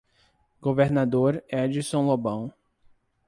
Governador Edison Lobão